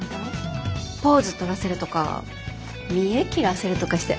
ポーズ取らせるとか見得切らせるとかして。